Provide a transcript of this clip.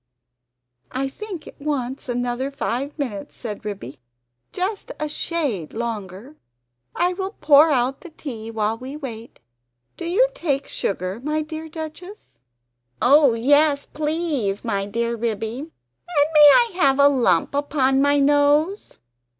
"I think it wants another five minutes," said Ribby. "Just a shade longer; I will pour out the tea, while we wait. Do you take sugar, my dear Duchess?" "Oh yes, please! my dear Ribby; and may I have a lump upon my nose?"